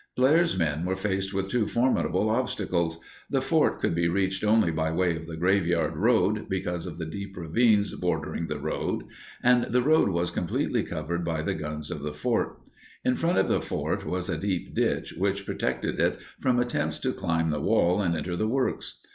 Blair's men were faced with two formidable obstacles: the fort could be reached only by way of the Graveyard Road because of the deep ravines bordering the road, and the road was completely covered by the guns of the fort. In front of the fort was a deep ditch which protected it from attempts to climb the wall and enter the works.